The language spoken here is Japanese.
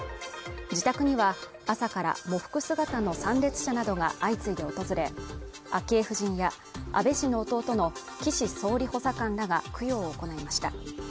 自宅には朝から喪服姿の参列者などが相次いで訪れ昭恵夫人や安倍氏の弟の岸総理補佐官らが供養を行いました